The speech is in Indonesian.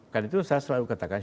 karena itu saya selalu katakan